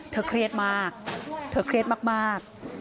เครียดมากเธอเครียดมาก